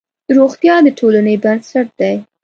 روغتیا د ټولنې بنسټ دی.